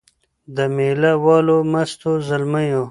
د مېله والو مستو زلمیو